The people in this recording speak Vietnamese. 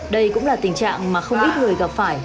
đây cũng là tình trạng mà không ít người gặp phải